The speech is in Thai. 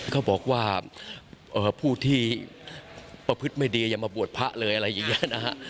เขาบอกว่าผู้ที่ประพฤติไม่ดีอย่ามาบวชพระเลยอะไรอย่างนี้นะฮะ